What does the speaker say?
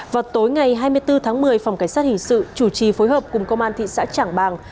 vào tối ngày hai mươi bốn tháng một mươi phòng cảnh sát hình sự chủ trì phối hợp cùng công an thị xã trảng bàng